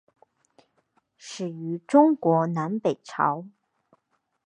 始于中国南北朝。